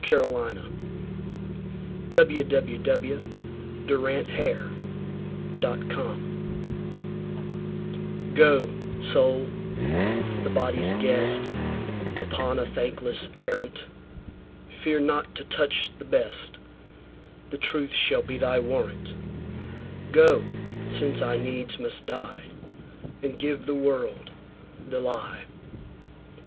Sir Walter Raleigh 48. The Lie GO, Soul, the body's guest, Upon a thankless arrant:Fear not to touch the best; The truth shall be thy warrant:Go, since I needs must die, And give the world the lie.